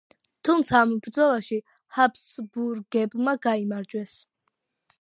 თუმცა ამ ბრძოლაში ჰაბსბურგებმა გაიმარჯვეს.